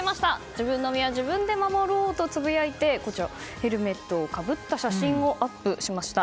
自分の身は自分で守ろうとつぶやいて、こちらヘルメットをかぶった写真をアップしました。